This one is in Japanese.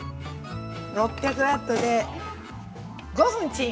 ◆６００ワットで５分チン。